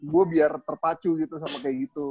gue biar terpacu gitu sama kayak gitu